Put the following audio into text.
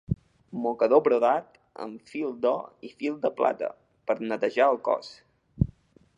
Mocador brodat amb fil d'or i fil de plata, per netejar el cos.